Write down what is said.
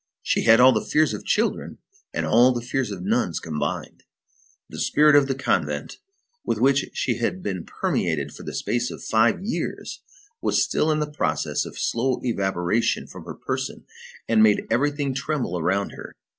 She had all the fears of children and all the fears of nuns combined. The spirit of the convent, with which she had been permeated for the space of five years, was still in the process of slow evaporation from her person, and made everything tremble around her.